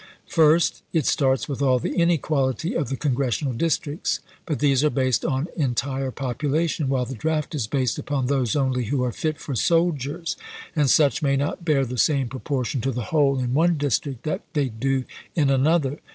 First, it starts with all the inequality of the Con gressional districts ; but these are based on entire population, while the draft is based upon those only who are fit for soldiers, and such may not bear the same proportion to the whole in one district that they do in another.